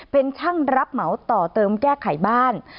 เป็นช่างรับเหมาต่อเติมแก้ไขบ้าน